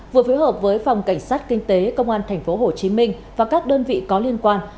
vừa phối hợp với phòng cảnh sát kinh tế công an tp hcm và các đơn vị có liên quan